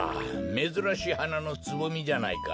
めずらしいはなのつぼみじゃないか。